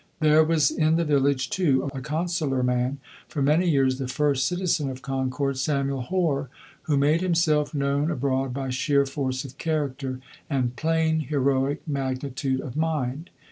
There was in the village, too, a consular man, for many years the first citizen of Concord, Samuel Hoar, who made himself known abroad by sheer force of character and "plain heroic magnitude of mind."